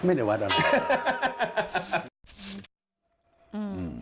ไม่ได้วัดอะไร